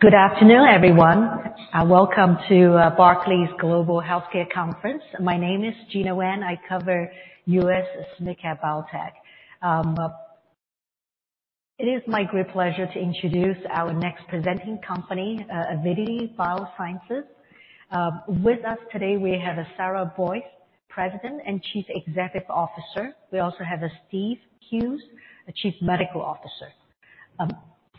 Good afternoon, everyone. Welcome to the Barclays Global Healthcare Conference. My name is Gena Wang. I cover U.S. SMID-cap biotech. It is my great pleasure to introduce our next presenting company, Avidity Biosciences. With us today we have Sarah Boyce, President and Chief Executive Officer. We also have Steve Hughes, Chief Medical Officer.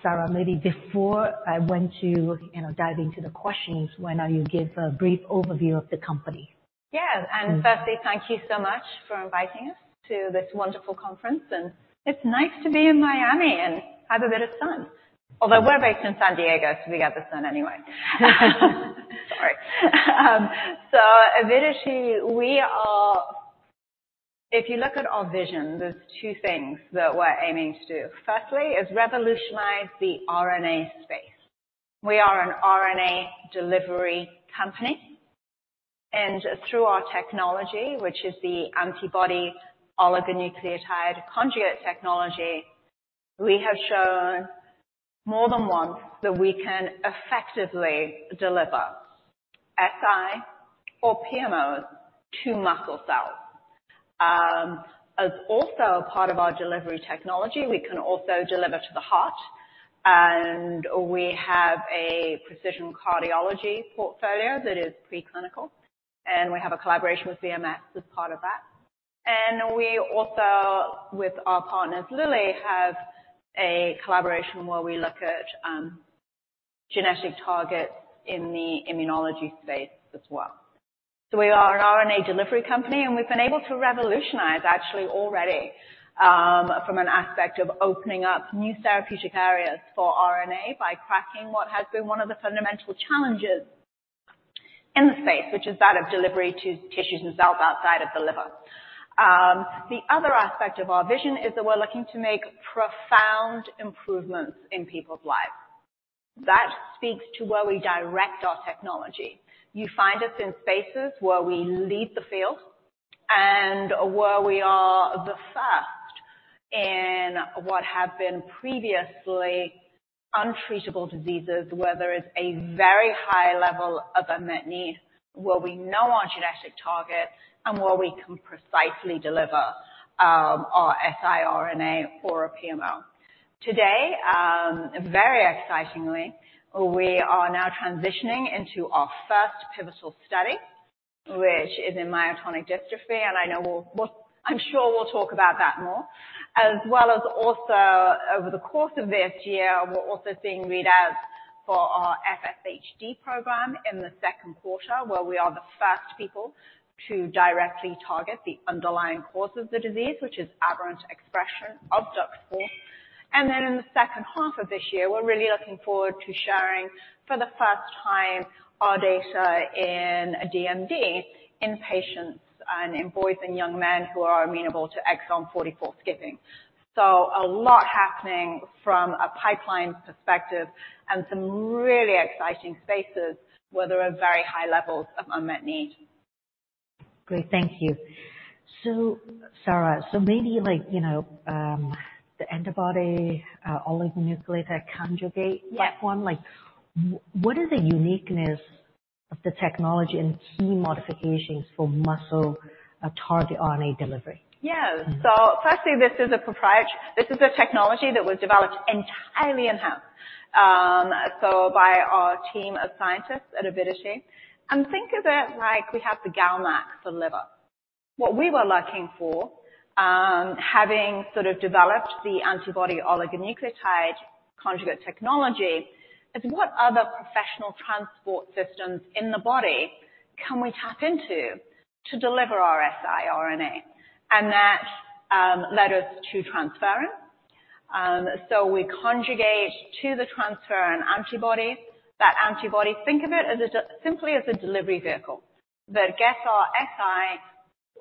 Sarah, maybe before I went to, you know, dive into the questions, why not you give a brief overview of the company? Yeah. And firstly, thank you so much for inviting us to this wonderful conference. And it's nice to be in Miami and have a bit of sun, although we're based in San Diego, so we got the sun anyway. Sorry. So Avidity, we are if you look at our vision, there's two things that we're aiming to do. Firstly is revolutionize the RNA space. We are an RNA delivery company. And through our technology, which is the antibody oligonucleotide conjugate technology, we have shown more than once that we can effectively deliver siRNA or PMOs to muscle cells. As also a part of our delivery technology, we can also deliver to the heart. And we have a precision cardiology portfolio that is preclinical. And we have a collaboration with BMS as part of that. We also, with our partners Lilly, have a collaboration where we look at, genetic targets in the immunology space as well. So we are an RNA delivery company, and we've been able to revolutionize, actually, from an aspect of opening up new therapeutic areas for RNA by cracking what has been one of the fundamental challenges in the space, which is that of delivery to tissues and cells outside of the liver. The other aspect of our vision is that we're looking to make profound improvements in people's lives. That speaks to where we direct our technology. You find us in spaces where we lead the field and where we are the first in what have been previously untreatable diseases, whether it's a very high level of unmet need, where we know our genetic target, and where we can precisely deliver, our siRNA or a PMO. Today, very excitingly, we are now transitioning into our first pivotal study, which is in myotonic dystrophy. And I know we'll, I'm sure we'll talk about that more. As well as also, over the course of this year, we're also seeing readouts for our FSHD program in the second quarter, where we are the first people to directly target the underlying causes of disease, which is aberrant expression, DUX4. And then in the second half of this year, we're really looking forward to sharing, for the first time, our data in DMD in patients, in boys and young men who are amenable to exon 44 skipping. So a lot happening from a pipeline perspective and some really exciting spaces where there are very high levels of unmet need. Great. Thank you. So, Sarah, so maybe, like, you know, the antibody, oligonucleotide conjugate. Yeah. Platform, like, what is the uniqueness of the technology and key modifications for muscle, target RNA delivery? Yeah. So firstly, this is a proprietary technology that was developed entirely in-house, so by our team of scientists at Avidity. And think of it like we have the GalNAc for liver. What we were looking for, having sort of developed the antibody oligonucleotide conjugate technology, is what other professional transport systems in the body can we tap into to deliver our siRNA? And that led us to transferrin. So we conjugate to the transferrin antibody. That antibody, think of it as simply as a delivery vehicle that gets our siRNA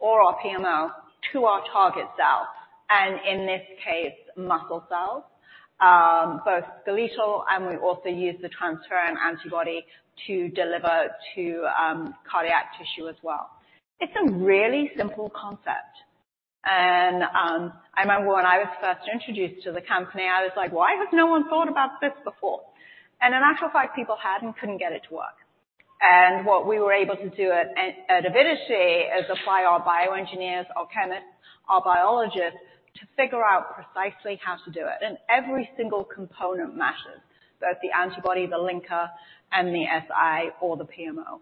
or our PMO to our target cell, and in this case, muscle cells, both skeletal. And we also use the transferrin antibody to deliver to cardiac tissue as well. It's a really simple concept. I remember when I was first introduced to the company, I was like, "Why has no one thought about this before?" In actual fact, people had and couldn't get it to work. What we were able to do at, at Avidity is apply our bioengineers, our chemists, our biologists to figure out precisely how to do it. Every single component matters, both the antibody, the linker, and the siRNA or the PMO.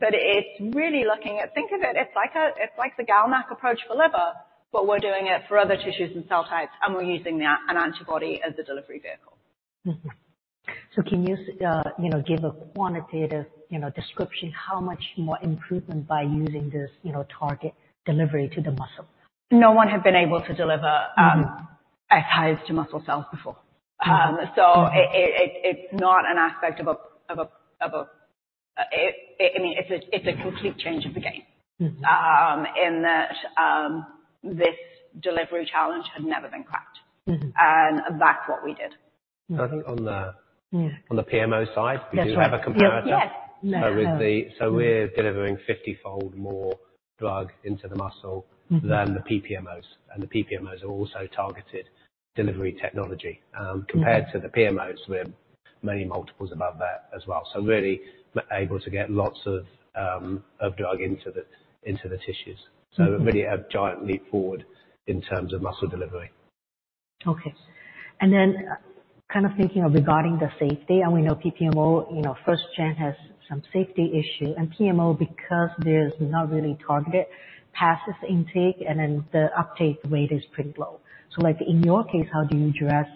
But it's really looking at think of it, it's like a it's like the GalNAc approach for liver, but we're doing it for other tissues and cell types, and we're using the a-an antibody as a delivery vehicle. Mm-hmm. So can you, you know, give a quantitative, you know, description how much more improvement by using this, you know, target delivery to the muscle? No one had been able to deliver siRNAs to muscle cells before. So it, it's not an aspect of it. I mean, it's a complete change of the game. Mm-hmm. In that, this delivery challenge had never been cracked. Mm-hmm. That's what we did. So I think on the. Yeah. On the PMO side, we do have a comparative. Yes. Yes. So we're delivering 50-fold more drug into the muscle. Mm-hmm. Than the pPMOs. The pPMOs are also targeted delivery technology. Compared to the PMOs, we're many multiples above that as well. So really able to get lots of drug into the tissues. Mm-hmm. So really a giant leap forward in terms of muscle delivery. Okay. And then, kind of thinking of regarding the safety, and we know pPMO, you know, first-gen has some safety issue. And PMO, because there's not really targeted, passes intake, and then the uptake rate is pretty low. So, like, in your case, how do you address,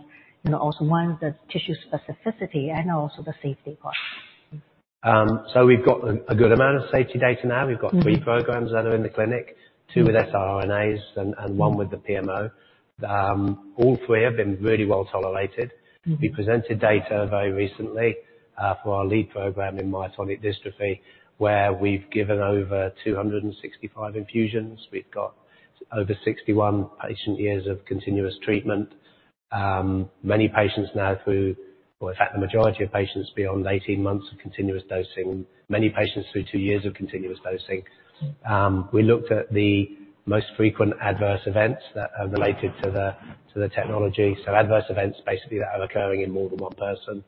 you know, also one, the tissue specificity, and also the safety part? We've got a good amount of safety data now. We've got three programs that are in the clinic, two with siRNAs and one with the PMO. All three have been really well tolerated. Mm-hmm. We presented data very recently, for our lead program in myotonic dystrophy, where we've given over 265 infusions. We've got over 61 patient years of continuous treatment. Many patients now through, well, in fact, the majority of patients beyond 18 months of continuous dosing, many patients through 2 years of continuous dosing. We looked at the most frequent adverse events that are related to the technology. So adverse events, basically, that are occurring in more than one person.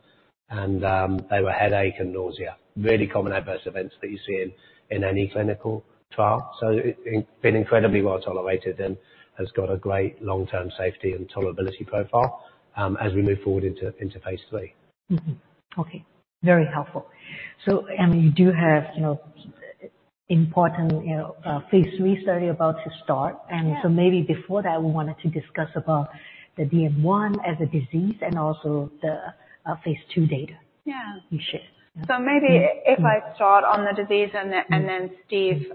And, they were headache and nausea, really common adverse events that you see in any clinical trial. So it's been incredibly well tolerated and has got a great long-term safety and tolerability profile, as we move forward into phase three. Mm-hmm. Okay. Very helpful. So, I mean, you do have, you know, important, you know, phase three study about to start. And. Mm-hmm. Maybe before that, we wanted to discuss about the DM1 as a disease and also the phase 2 data. Yeah. You shared. So maybe if I start on the disease and then Steve,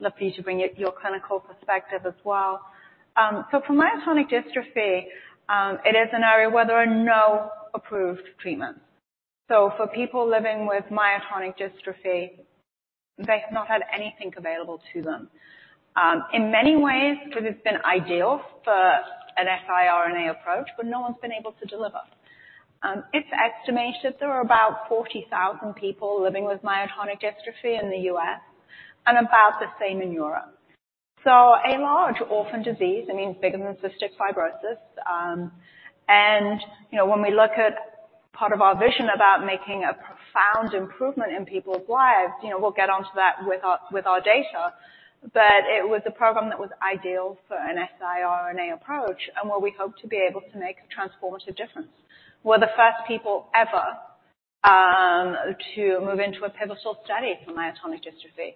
look for you to bring your, your clinical perspective as well. So for myotonic dystrophy, it is an area where there are no approved treatments. So for people living with myotonic dystrophy, they have not had anything available to them. In many ways, because it's been ideal for a siRNA approach, but no one's been able to deliver. It's estimated there are about 40,000 people living with myotonic dystrophy in the U.S. and about the same in Europe. So a large orphan disease, I mean, bigger than cystic fibrosis, and, you know, when we look at part of our vision about making a profound improvement in people's lives, you know, we'll get onto that with our with our data. But it was a program that was ideal for an siRNA approach and where we hope to be able to make a transformative difference. We're the first people ever to move into a pivotal study for myotonic dystrophy.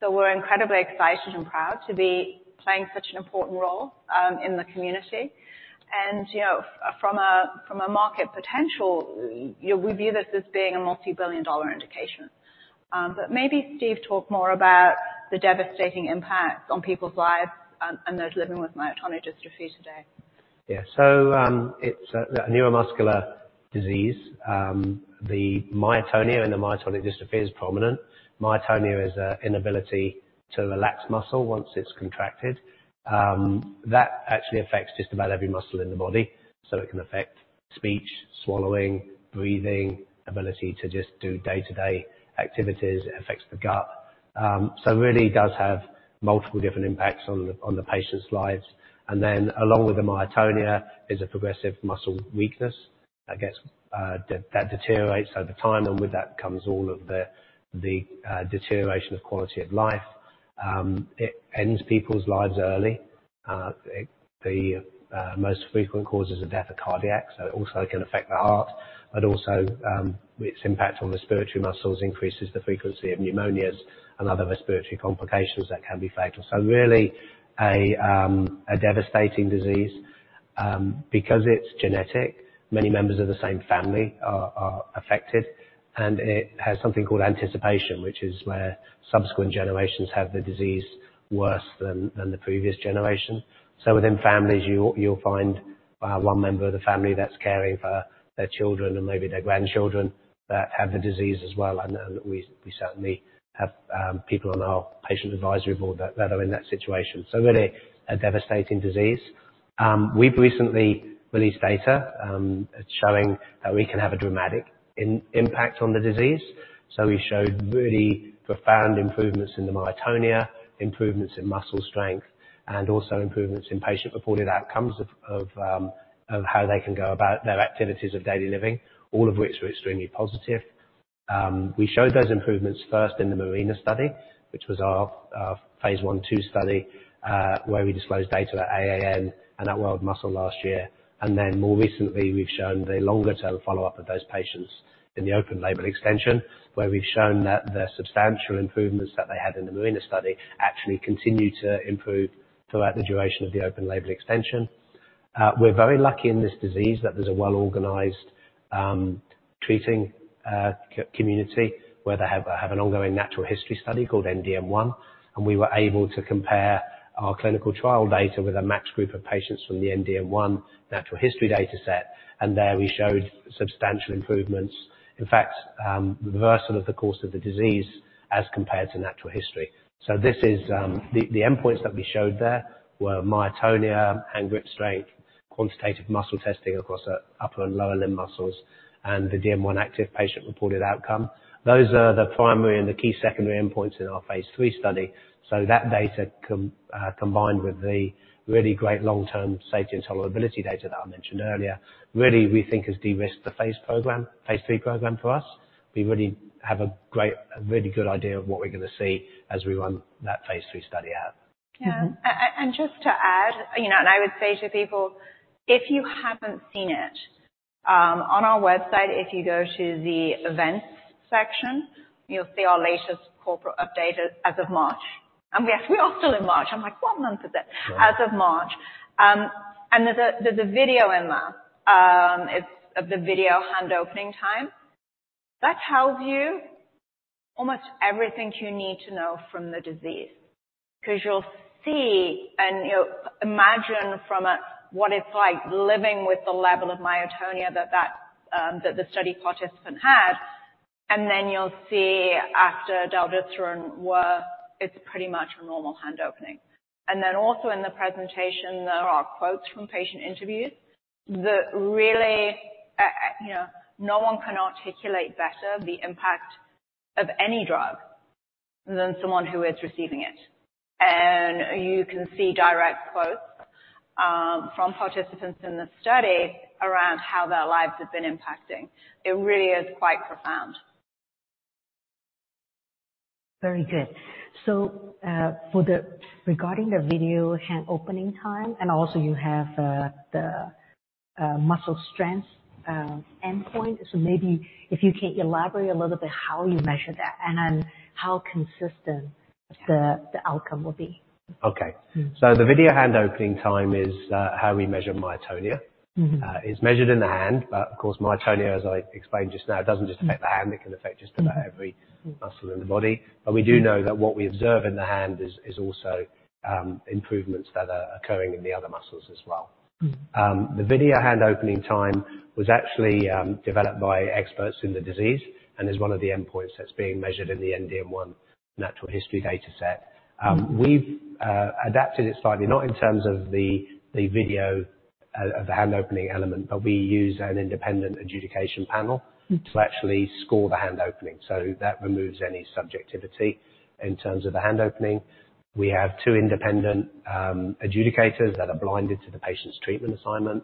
So we're incredibly excited and proud to be playing such an important role in the community. And, you know, from a market potential, you know, we view this as being a multibillion-dollar indication. But maybe Steve talk more about the devastating impacts on people's lives, and those living with myotonic dystrophy today. Yeah. So, it's that neuromuscular disease. The myotonia in the myotonic dystrophy is prominent. Myotonia is a inability to relax muscle once it's contracted. That actually affects just about every muscle in the body. So it can affect speech, swallowing, breathing, ability to just do day-to-day activities. It affects the gut. So really does have multiple different impacts on the patient's lives. And then along with the myotonia is a progressive muscle weakness that deteriorates over time. And with that comes all of the deterioration of quality of life. It ends people's lives early. It, the most frequent causes of death are cardiac. So it also can affect the heart. But also, its impact on respiratory muscles increases the frequency of pneumonias and other respiratory complications that can be fatal. So really a devastating disease. Because it's genetic, many members of the same family are affected. And it has something called anticipation, which is where subsequent generations have the disease worse than the previous generation. So within families, you'll find one member of the family that's caring for their children and maybe their grandchildren that have the disease as well. And we certainly have people on our patient advisory board that are in that situation. So really a devastating disease. We've recently released data, showing that we can have a dramatic impact on the disease. So we showed really profound improvements in the myotonia, improvements in muscle strength, and also improvements in patient-reported outcomes of how they can go about their activities of daily living, all of which were extremely positive. We showed those improvements first in the MARINA study, which was our phase 1/2 study, where we disclosed data at AAN and at World Muscle last year. Then more recently, we've shown the longer-term follow-up of those patients in the open-label extension, where we've shown that the substantial improvements that they had in the MARINA study actually continue to improve throughout the duration of the open-label extension. We're very lucky in this disease that there's a well-organized treating community where they have an ongoing natural history study called END-DM1. We were able to compare our clinical trial data with a matched group of patients from the END-DM1 natural history data set. There we showed substantial improvements, in fact, reversal of the course of the disease as compared to natural history. So this is the endpoints that we showed there were myotonia, hand grip strength, quantitative muscle testing across the upper and lower limb muscles, and the DM1-Activ patient-reported outcome. Those are the primary and the key secondary endpoints in our phase 3 study. So that data combined with the really great long-term safety and tolerability data that I mentioned earlier, really we think has de-risked the phase 3 program for us. We really have a really good idea of what we're gonna see as we run that phase 3 study out. Yeah. And just to add, you know, and I would say to people, if you haven't seen it, on our website, if you go to the events section, you'll see our latest corporate update as of March. And we actually are still in March. I'm like, "What month is it? Right. As of March, and there's a video in there. It's of the video hand opening time. That tells you almost everything you need to know from the disease. 'Cause you'll see and, you know, imagine what it's like living with the level of myotonia that the study participant had. And then you'll see after delpacibart etedesiran, where it's pretty much a normal hand opening. And then also in the presentation, there are quotes from patient interviews that really, you know, no one can articulate better the impact of any drug than someone who is receiving it. And you can see direct quotes from participants in the study around how their lives have been impacting. It really is quite profound. Very good. So, regarding the video hand opening time, and also you have the muscle strength endpoint. So maybe if you can elaborate a little bit how you measure that and how consistent. Okay. The outcome will be. Okay. Mm-hmm. The video hand opening time is how we measure myotonia. Mm-hmm. It's measured in the hand. But of course, myotonia, as I explained just now, doesn't just affect the hand. It can affect just about every. Mm-hmm. Muscle in the body. But we do know that what we observe in the hand is also improvements that are occurring in the other muscles as well. Mm-hmm. The video hand opening time was actually developed by experts in the disease and is one of the endpoints that's being measured in the END-DM1 natural history data set. We've adapted it slightly, not in terms of the video of the hand opening element, but we use an independent adjudication panel. Mm-hmm. To actually score the hand opening. So that removes any subjectivity in terms of the hand opening. We have two independent adjudicators that are blinded to the patient's treatment assignment.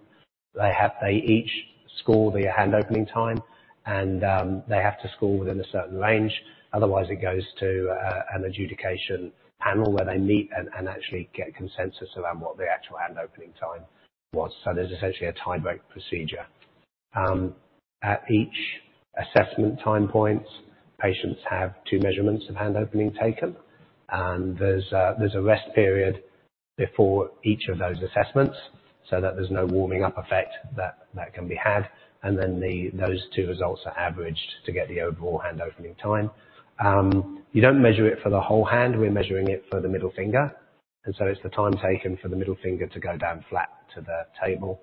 They each score the hand opening time. And they have to score within a certain range. Otherwise, it goes to an adjudication panel where they meet and actually get consensus around what the actual hand opening time was. So there's essentially a tie-break procedure. At each assessment time point, patients have two measurements of hand opening taken. And there's a rest period before each of those assessments so that there's no warming-up effect that can be had. And then those two results are averaged to get the overall hand opening time. You don't measure it for the whole hand. We're measuring it for the middle finger. And so it's the time taken for the middle finger to go down flat to the table.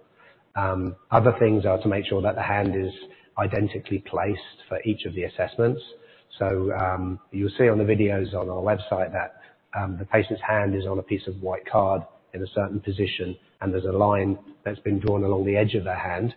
Other things are to make sure that the hand is identically placed for each of the assessments. So, you'll see on the videos on our website that, the patient's hand is on a piece of white card in a certain position. And there's a line that's been drawn along the edge of their hand.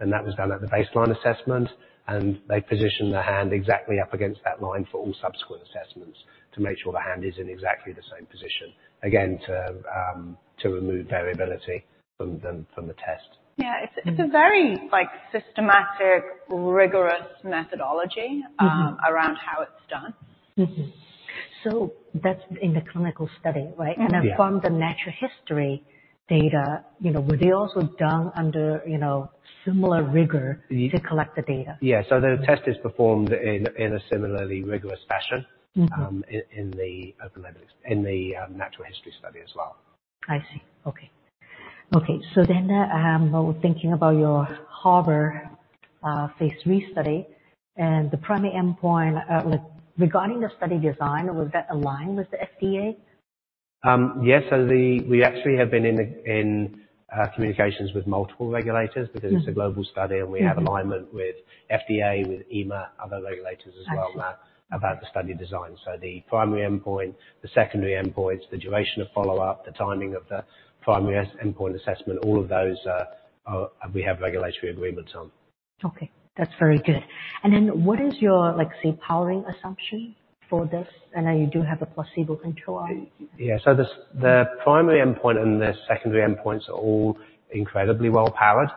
And that was done at the baseline assessment. And they position the hand exactly up against that line for all subsequent assessments to make sure the hand is in exactly the same position, again, to remove variability from the test. Yeah. It's a very, like, systematic, rigorous methodology. Mm-hmm. around how it's done. Mm-hmm. So that's in the clinical study, right? Mm-hmm. And then from the natural history data, you know, were they also done under, you know, similar rigor? Yeah. To collect the data? Yeah. So the test is performed in a similarly rigorous fashion. Mm-hmm. in the open label extension in the natural history study as well. I see. Okay. Okay. So then, well, thinking about your HARBOR phase 3 study and the primary endpoint, like, regarding the study design, was that aligned with the FDA? Yes. So we actually have been in communications with multiple regulators because. Mm-hmm. It's a global study. We have alignment with FDA, with EMA, other regulators as well. I see. About the study design. So the primary endpoint, the secondary endpoints, the duration of follow-up, the timing of the primary endpoint assessment, all of those, we have regulatory agreements on. Okay. That's very good. Then what is your, like, say, powering assumption for this? I know you do have a placebo control on it. Yeah. So the primary endpoint and the secondary endpoints are all incredibly well powered.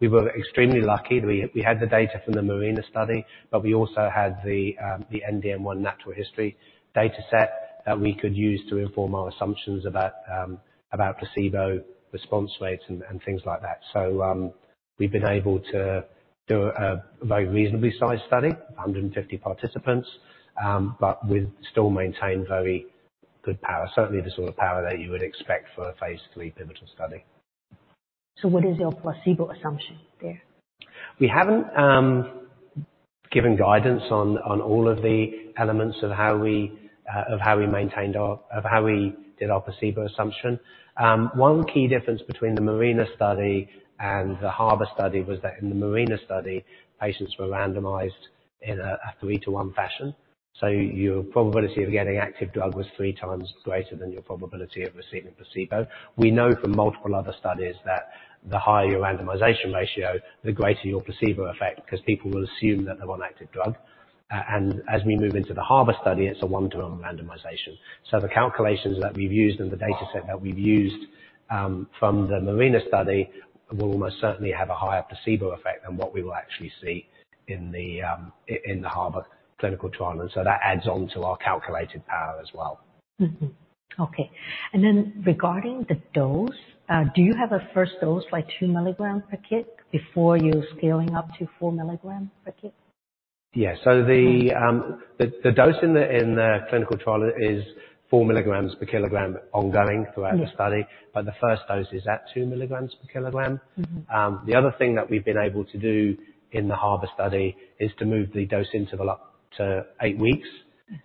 We were extremely lucky. We had the data from the MARINA study. But we also had the END-DM1 natural history data set that we could use to inform our assumptions about placebo response rates and things like that. So, we've been able to do a very reasonably sized study of 150 participants, but with still maintained very good power, certainly the sort of power that you would expect for a phase 3 pivotal study. So what is your placebo assumption there? We haven't given guidance on all of the elements of how we did our placebo assumption. One key difference between the MARINA study and the HARBOR study was that in the MARINA study, patients were randomized in a 3-to-1 fashion. So your probability of getting active drug was three times greater than your probability of receiving placebo. We know from multiple other studies that the higher your randomization ratio, the greater your placebo effect 'cause people will assume that they want active drug. And as we move into the HARBOR study, it's a 1-to-1 randomization. So the calculations that we've used and the data set that we've used from the MARINA study will almost certainly have a higher placebo effect than what we will actually see in the HARBOR clinical trial. And so that adds onto our calculated power as well. Mm-hmm. Okay. And then regarding the dose, do you have a first dose like 2 mg per kg before you're scaling up to 4 mg per k? Yeah. So the dose in the clinical trial is 4 milligrams per kilogram ongoing throughout the study. Mm-hmm. But the first dose is at 2 milligrams per kilogram. Mm-hmm. The other thing that we've been able to do in the HARBOR study is to move the dose interval up to eight weeks.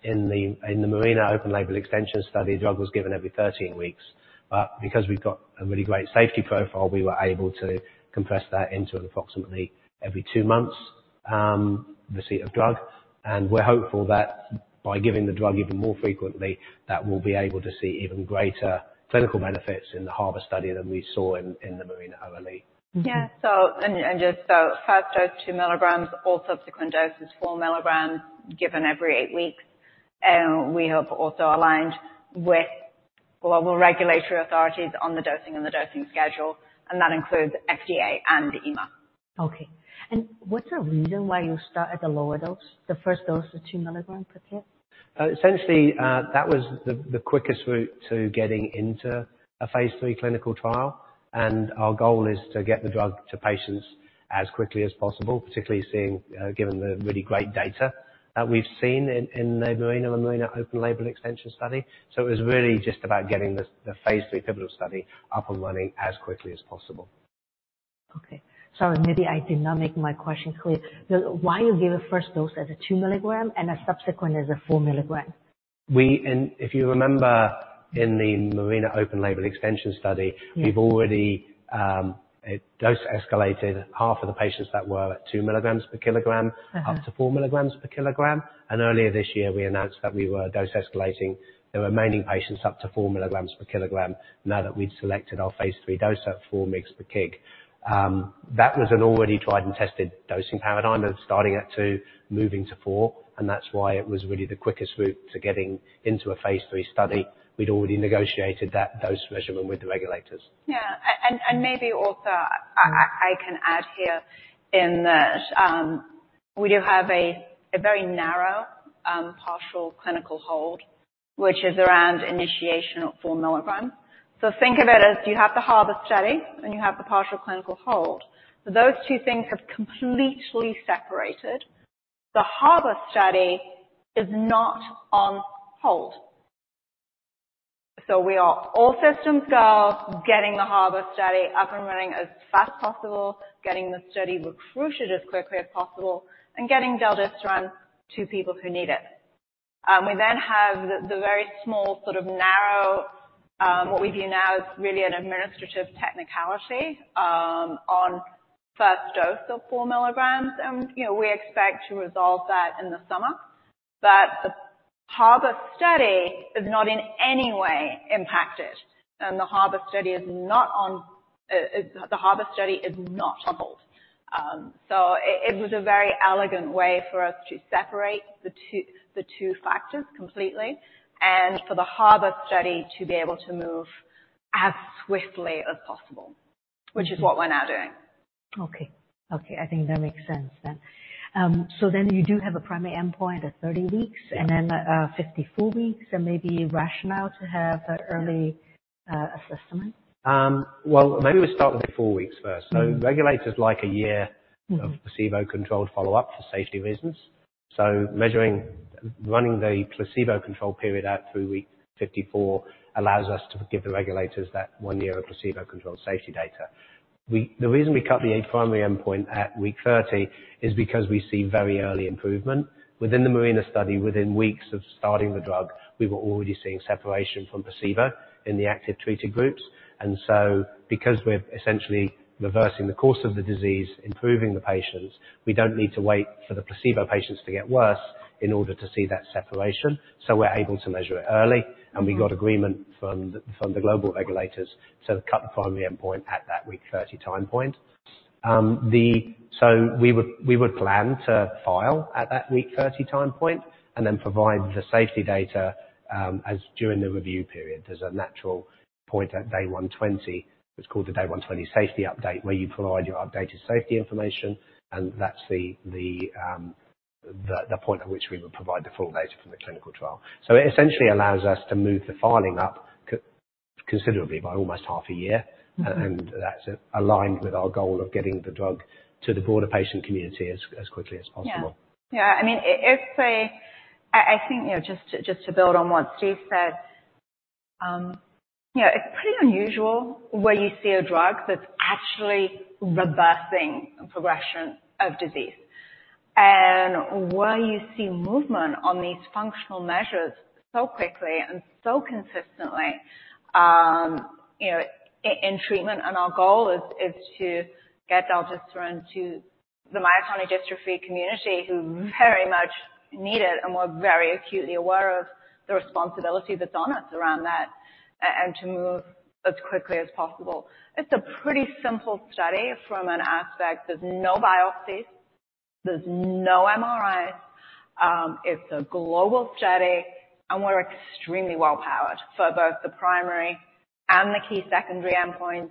Mm-hmm. In the MARINA open-label extension study, drug was given every 13 weeks. But because we've got a really great safety profile, we were able to compress that into an approximately every two months, receipt of drug. And we're hopeful that by giving the drug even more frequently, that we'll be able to see even greater clinical benefits in the HARBOR study than we saw in the MARINA-OLE. Mm-hmm. Yeah. So, just so, first dose two milligrams, all subsequent doses four milligrams given every eight weeks. We have also aligned with global regulatory authorities on the dosing and the dosing schedule. That includes FDA and EMA. Okay. What's the reason why you start at the lower dose, the first dose of 2 milligrams per kit? Essentially, that was the quickest route to getting into a phase 3 clinical trial. And our goal is to get the drug to patients as quickly as possible, particularly given the really great data that we've seen in the MARINA and MARINA open-label extension study. So it was really just about getting the phase 3 pivotal study up and running as quickly as possible. Okay. Sorry. Maybe I did not make my question clear. The why you give a first dose as a 2 milligram and a subsequent as a 4 milligram? If you remember in the MARINA open-label extension study. Mm-hmm. We've already, it dose escalated half of the patients that were at 2 milligrams per kilogram. Uh-huh. Up to 4 milligrams per kilogram. Earlier this year, we announced that we were dose escalating the remaining patients up to 4 milligrams per kilogram now that we'd selected our phase 3 dose at 4 mg per kg. That was an already tried and tested dosing paradigm of starting at 2, moving to 4. That's why it was really the quickest route to getting into a phase 3 study. We'd already negotiated that dose measurement with the regulators. Yeah. And maybe also, I can add here that we do have a very narrow partial clinical hold, which is around initiation at 4 milligrams. So think of it as you have the HARBOR study and you have the partial clinical hold. So those two things have completely separated. The HARBOR study is not on hold. So we are all systems go getting the HARBOR study up and running as fast as possible, getting the study recruited as quickly as possible, and getting delpacibart etedesiran to people who need it. We then have the very small sort of narrow, what we view now as really an administrative technicality, on first dose of 4 milligrams. And, you know, we expect to resolve that in the summer. But the HARBOR study is not in any way impacted. And the HARBOR study is not on it. The HARBOR study is not on hold. So it was a very elegant way for us to separate the two factors completely and for the HARBOR study to be able to move as swiftly as possible, which is what we're now doing. Okay. Okay. I think that makes sense then. So then you do have a primary endpoint at 30 weeks. Mm-hmm. Then, 54 weeks. Maybe rationale to have an early assessment? Well, maybe we start with the 4 weeks first. So regulators like a year. Mm-hmm. Our placebo-controlled follow-up for safety reasons. So, running the placebo-controlled period at week 54 allows us to give the regulators that one year of placebo-controlled safety data. Well, the reason we cut the primary endpoint at week 30 is because we see very early improvement. Within the MARINA study, within weeks of starting the drug, we were already seeing separation from placebo in the active treated groups. And so, because we're essentially reversing the course of the disease, improving the patients, we don't need to wait for the placebo patients to get worse in order to see that separation. So, we're able to measure it early. Mm-hmm. And we got agreement from the global regulators to cut the primary endpoint at that week 30 time point. So we would plan to file at that week 30 time point and then provide the safety data as during the review period. There's a natural point at day 120. It's called the day 120 safety update where you provide your updated safety information. And that's the point at which we would provide the full data from the clinical trial. So it essentially allows us to move the filing up considerably by almost half a year. Mm-hmm. And that's aligned with our goal of getting the drug to the broader patient community as quickly as possible. Yeah. Yeah. I mean, it's a—I think, you know, just to build on what Steve said, you know, it's pretty unusual where you see a drug that's actually reversing progression of disease. And where you see movement on these functional measures so quickly and so consistently, you know, in treatment. And our goal is to get delpacibart etedesiran to the myotonic dystrophy community who very much need it and we're very acutely aware of the responsibility that's on us around that and to move as quickly as possible. It's a pretty simple study from an aspect. There's no biopsies. There's no MRIs. It's a global study. And we're extremely well powered for both the primary and the key secondary endpoints.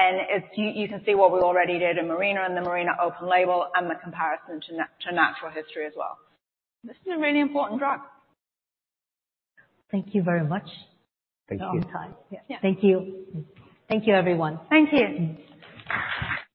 It's you, you can see what we already did in MARINA and the MARINA open label and the comparison to natural history as well. This is a really important drug. Thank you very much. Thank you. Oh, time. Yeah. Yeah. Thank you. Thank you, everyone. Thank you.